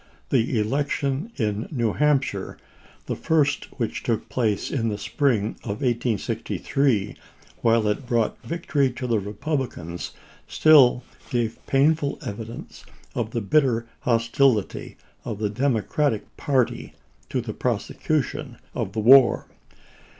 The election in New Hampshire, the first which took place in the spring of 1863, while it brought victory to the Republicans, still gave pain ful evidence of the bitter hostility of the Demo cratic party to the prosecution of the war.